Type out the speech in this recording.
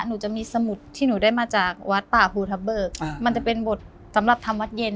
หนูจะมีสมุดที่หนูได้มาจากวัดป่าภูทะเบิกมันจะเป็นบทสำหรับทำวัดเย็น